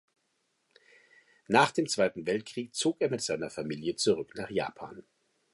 Nach dem Zweiten Weltkrieg zog er mit seiner Familie zurück nach Japan.